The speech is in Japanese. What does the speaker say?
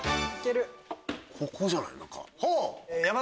ここじゃない？